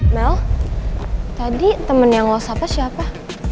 mel tadi temennya lo sapa siapa